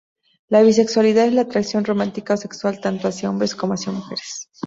La bisexualidad es la atracción romántica o sexual tanto hacia hombres como hacia mujeres.